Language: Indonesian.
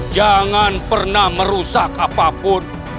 jangan pernah merusak apapun